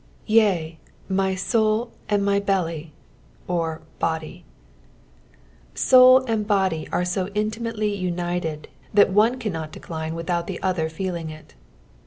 " Yea, my eovl and my belly [or body]." Bnol and body are so intimately united, that one cannot decline without the other .feeling it.